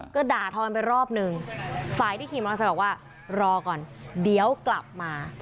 ก็ด่าทอนไปรอบหนึ่งฝ่ายที่ขี่มอเตอร์ไซค์บอกว่ารอก่อนเดี๋ยวกลับมา